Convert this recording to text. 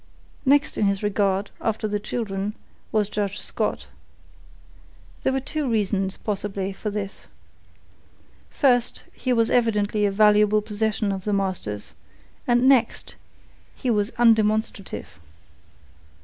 Next in his regard, after the children, was Judge Scott. There were two reasons, possibly, for this. First, he was evidently a valuable possession of the master's, and next, he was undemonstrative.